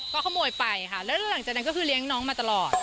ก็ขโมยไปค่ะแล้วหลังจากนั้นก็คือเลี้ยงน้องมาตลอด